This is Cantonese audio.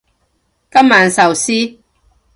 今晚壽司